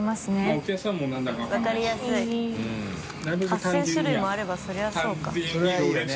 ８０００種類もあればそりゃそうか。